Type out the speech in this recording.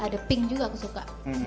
ada pink juga aku suka